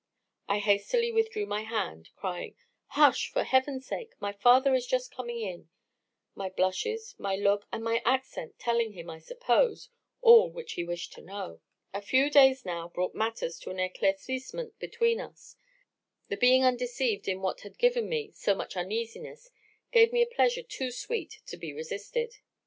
I hastily withdrew my hand, crying, Hush! for heaven's sake, my father is just coming in; my blushes, my look, and my accent, telling him, I suppose, all which he wished to know. "A few days now brought matters to an eclaircissement between us; the being undeceived in what had given me so much uneasiness gave me a pleasure too sweet to be resisted.